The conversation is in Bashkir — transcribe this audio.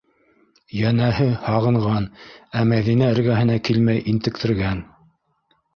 Йәнәһе, һағынған, ә Мәҙинә эргәһенә килмәй интектергән.